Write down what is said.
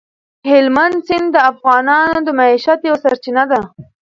هلمند سیند د افغانانو د معیشت یوه سرچینه ده.